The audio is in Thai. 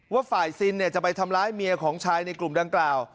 ว่าฝ่ายซินจะไปทำร้ายเมียของชายในกลุ่มดังกล่าว